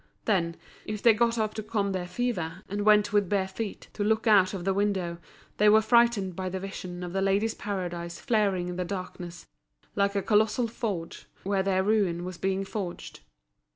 Then, if they got up to calm their fever, and went with bare feet, to look out of the window, they were frightened by the vision of The Ladies' Paradise flaring in the darkness like a colossal forge, where their ruin was being forged.